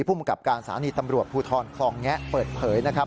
ภูมิกับการสถานีตำรวจภูทรคลองแงะเปิดเผยนะครับ